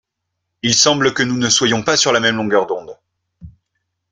Il semble que nous ne soyons pas sur la même longueur d’ondes.